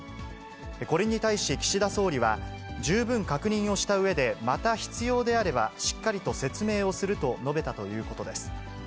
これに対し岸田総理は、十分確認をしたうえで、また必要であれば、しっかりと説明をすると述べたということです。